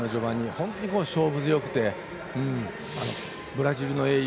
本当に勝負強くてブラジルの英雄